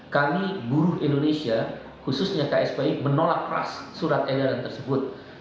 kami buruh indonesia khususnya kspi menolak keras surat edaran tersebut